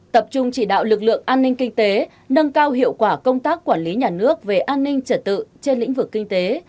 tập trung chỉ đạo lực lượng an ninh kinh tế nâng cao hiệu quả công tác quản lý nhà nước về an ninh trật tự trên lĩnh vực kinh tế